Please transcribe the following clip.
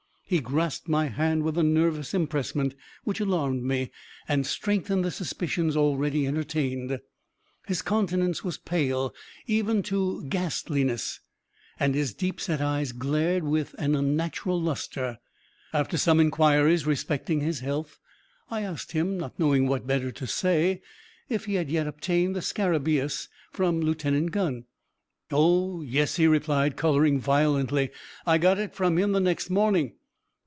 He grasped my hand with a nervous empressement which alarmed me and strengthened the suspicions already entertained. His countenance was pale even to ghastliness, and his deep set eyes glared with unnatural lustre. After some inquiries respecting his health, I asked him, not knowing what better to say, if he had yet obtained the scarabaeus from Lieutenant G . "Oh, yes," he replied, coloring violently, "I got it from him the next morning.